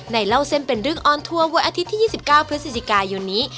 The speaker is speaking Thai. เล่าเส้นเป็นเรื่องออนทัวร์วันอาทิตย์ที่๒๙พฤศจิกายนนี้